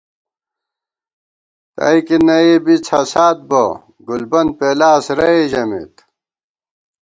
تئیکے نہ ئ بی څھسات بہ گُلبن پېلاس رَئے ژمېت